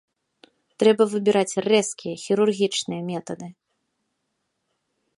Трэба выбіраць рэзкія, хірургічныя метады.